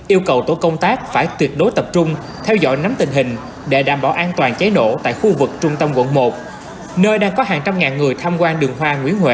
yêu cầu tổ công tác phải tuyệt đối tập trung theo dõi nắm tình hình để đảm bảo an toàn cháy nổ tại khu vực trung tâm quận một nơi đang có hàng trăm ngàn người tham quan đường hoa nguyễn huệ